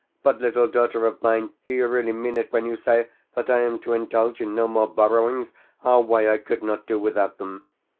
But, little daughter of mine do you really mean it when you say that I am to indulge in no more borrowings? Why, I could not do without them.